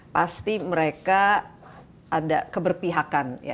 pasti mereka ada keberpihakan ya